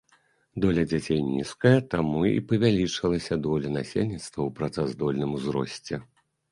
Доля дзяцей нізкая, таму і павялічылася доля насельніцтва ў працаздольным узросце.